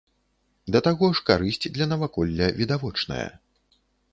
Да таго ж карысць для наваколля відавочная.